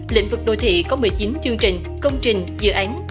lĩnh vực đô thị có một mươi chín chương trình công trình dự án